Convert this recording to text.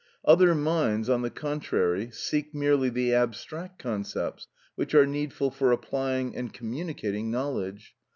Other minds, on the contrary, seek merely the abstract concepts which are needful for applying and communicating knowledge.